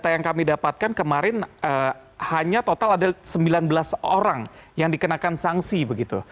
data yang kami dapatkan kemarin hanya total ada sembilan belas orang yang dikenakan sanksi begitu